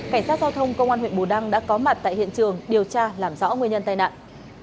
cảnh sát giao thông công an huyện bù đăng đã có mặt tại hiện trường điều tra làm rõ nguyên nhân tai nạn